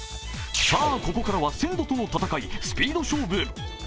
さあ、ここからは鮮度との戦い、スピード勝負。